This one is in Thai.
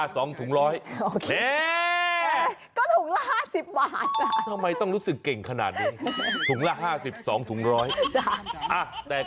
สองถุงเท่าไรครับอ๊ะสองถุงร้อยโอเค